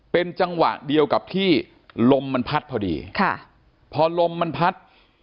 เป็นจังหวะเดียวกับที่ลมมันพัดพอดีค่ะพอลมมันพัด